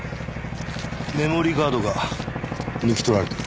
メモリーカードが抜き取られてる。